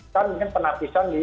kan mungkin penapisan di